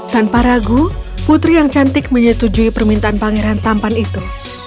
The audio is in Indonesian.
tanpa ragu putri yang cantik menyetujui permintaan pangeran tampan itu